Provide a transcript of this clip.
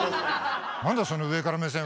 なんだその上から目線は！